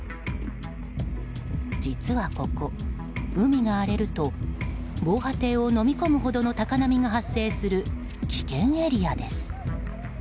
実はここ、海が荒れると防波堤をのみ込むほどの高波が発生する危険エリアです。